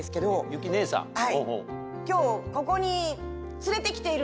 ゆき姉さんを？